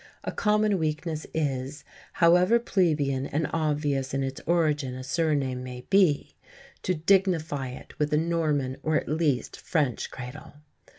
A common weakness is, however plebeian and obvious in its origin a surname may be, to dignify it with a Norman or at least French cradle.